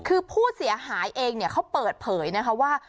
คือผู้เสียหายเองเขาเปิดเผยนะคะว่า